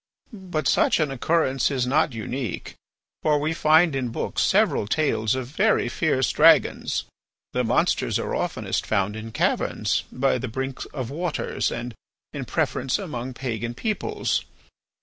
But such an occurrence is not unique, for we find in books several tales of very fierce dragons. The monsters are oftenest found in caverns, by the brinks of waters, and, in preference, among pagan peoples.